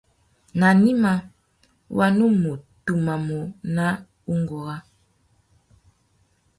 Nà gnïmá, wa nu mù tumamú nà ungura.